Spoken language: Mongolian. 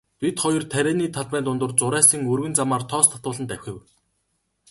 Бид хоёр тарианы талбай дундуур зурайсан өргөн замаар тоос татуулан давхив.